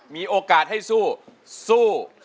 มีโอกาสให้สู้สู้